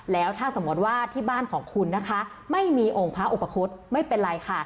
แล้วถ้าสมมติว่าที่บ้านของคุณนะคะไม่มีองค์พระอุปคุฎไม่เป็นไรค่ะ